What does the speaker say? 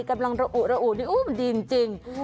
กำลังระอุระอุนี่มันดีจริง